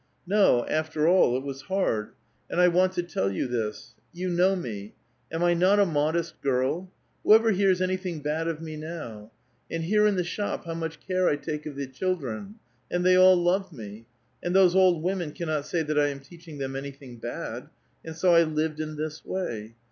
no; after all, it was hard ; and I want to tell you this. You know me ; am I not a modest girl ? Who ever hears anything bad of me now ? And here in the shop how much care I take of the children ! and they all love me ; and those old women cannot say that I am teaching them anything bad. And so I lived in this way.